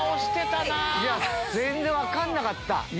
全然分かんなかった。